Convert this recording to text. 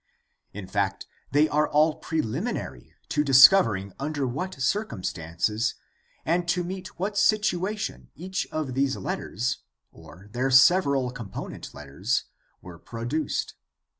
In fact, they are all preliminary to discovering under what circum stances and to meet what situation each of these letters, or their several component letters, were produced.